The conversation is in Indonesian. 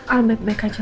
al balik balik aja bu